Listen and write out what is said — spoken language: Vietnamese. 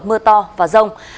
mưa to và rông